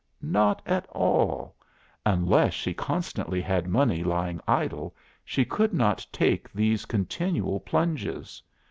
'" "'Not at all. Unless she constantly had money lying idle, she could not take these continual plunges.